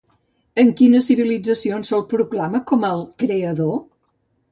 En quines civilitzacions se'l proclama com "el creador"?